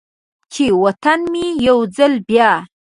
چې و طن مې یو ځل بیا،